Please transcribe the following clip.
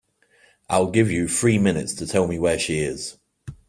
I'll give you three minutes to tell me where she is.